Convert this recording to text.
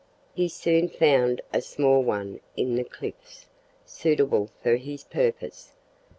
He soon found a small one in the cliffs, suitable for his purpose.